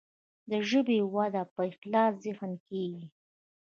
د ژبې وده په خلاص ذهن کیږي.